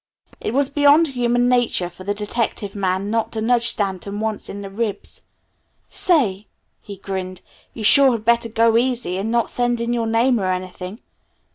It was beyond human nature for the detective man not to nudge Stanton once in the ribs. "Say," he grinned, "you sure had better go easy, and not send in your name or anything."